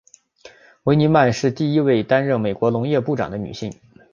维尼曼是第一位担任美国农业部长的女性。